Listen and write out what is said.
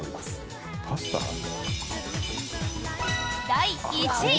第１位！